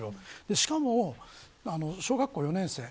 しかも小学校４年生。